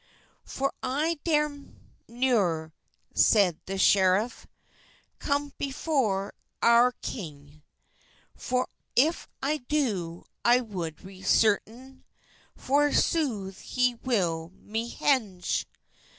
"For I dar neuer," said the scheref, "Cum before oure kynge, For if I do, I wot serten, For sothe he wil me henge."